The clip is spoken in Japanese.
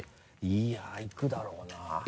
いやいくだろうな。